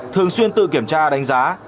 thường xuyên tự kiểm tra đánh giá